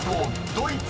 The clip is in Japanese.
「ドイツ」